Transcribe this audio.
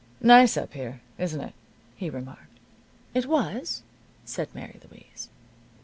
"Nice up here, isn't it?" he remarked. "It was," said Mary Louise.